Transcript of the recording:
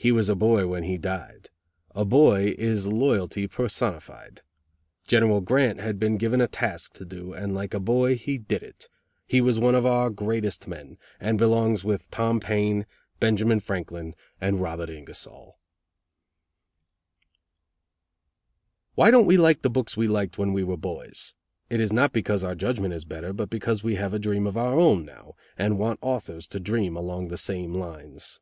He was a boy when he died. A boy is loyalty personified. General Grant had been given a task to do, and like a boy, he did it. He was one of our greatest men, and belongs with Tom Paine, Benjamin Franklin and Robert Ingersoll." "Why don't we like the books we liked when we were boys? It is not because our judgment is better, but because we have a dream of our own now, and want authors to dream along the same lines."